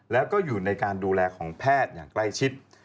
แล้วก็อยู่ในการดูแลของแพทย์อย่างใกล้ชิด